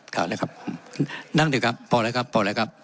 ครับนะครับนั่งเถอะครับพอแล้วครับพอแล้วครับ